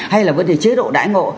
hay là vấn đề chế độ đại ngộ